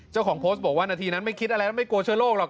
เจ้าของโพสต์บอกว่านาทีนั้นไม่คิดอะไรแล้วไม่กลัวเชื้อโรคหรอก